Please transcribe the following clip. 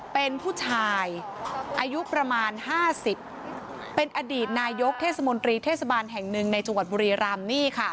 เป็นผู้ชายอายุประมาณ๕๐เป็นอดีตนายกเทศมนตรีเทศบาลแห่งหนึ่งในจังหวัดบุรีรำนี่ค่ะ